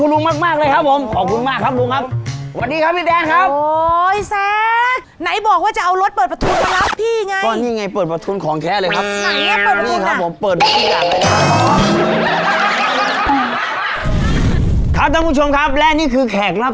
ร้านนี้หรือเปล่าลูกนี่ครับ